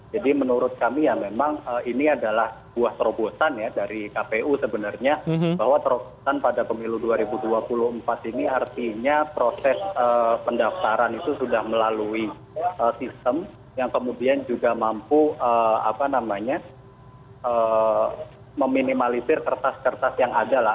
jadi menurut kami ya memang ini adalah buah terobosan ya dari kpu sebenarnya bahwa terobosan pada pemilu dua ribu dua puluh empat ini artinya proses pendaftaran itu sudah melalui sistem yang kemudian juga mampu meminimalisir kertas kertas yang ada lah